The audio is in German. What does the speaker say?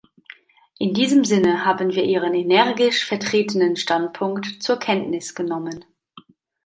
In diesem Sinne haben wir Ihren energisch vertretenen Standpunkt zur Kenntnis genommen.